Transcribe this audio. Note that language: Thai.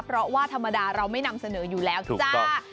เพราะว่าธรรมดาเราไม่นำเสนออยู่แล้วจ้า